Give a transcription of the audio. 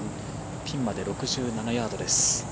ピンまで６７ヤードです。